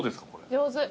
上手。